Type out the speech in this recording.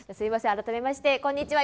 改めましてこんにちは。